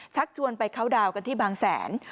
ชักชวนไปเข้าดาวกันที่บางแสน